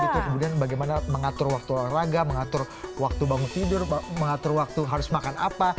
kemudian bagaimana mengatur waktu olahraga mengatur waktu bangun tidur mengatur waktu harus makan apa